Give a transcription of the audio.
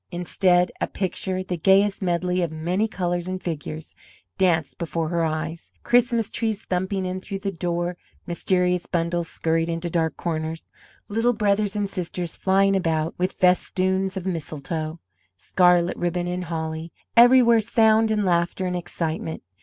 Instead, a picture, the gayest medley of many colours and figures, danced before her eyes: Christmas trees thumping in through the door, mysterious bundles scurried into dark corners, little brothers and sisters flying about with festoons of mistletoe, scarlet ribbon and holly, everywhere sound and laughter and excitement.